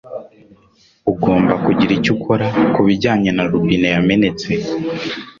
Ugomba kugira icyo ukora kubijyanye na robine yamenetse.